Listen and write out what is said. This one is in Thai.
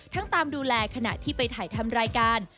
ตามดูแลขณะที่ไปถ่ายทำรายการ